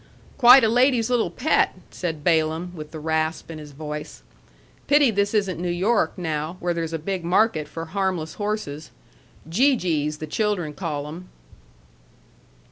"Quite a lady's little pet!" said Balaam, with the rasp in his voice. "Pity this isn't New York, now, where there's a big market for harmless horses. Gee gees, the children call them."